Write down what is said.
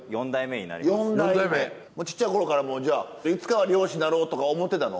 ちっちゃいころからもうじゃあいつかは漁師なろうとか思ってたの？